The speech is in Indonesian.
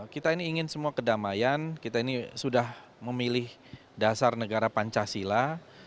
kita ini ingin semua kedamaian kita ini sudah memilih dasar negara pancasila